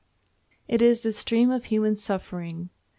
It is the stream of human suffering.